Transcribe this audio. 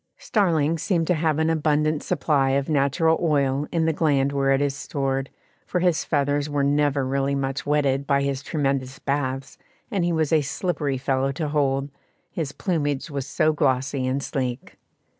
Starlings seem to have an abundant supply of natural oil in the gland where it is stored, for his feathers were never really much wetted by his tremendous baths, and he was a slippery fellow to hold, his plumage was so glossy and sleek.